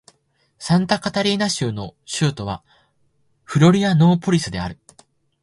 サンタカタリーナ州の州都はフロリアノーポリスである